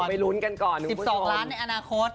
เอาไปรุ้นกันก่อนคุณผู้ชม๑๒ล้านในอนาคต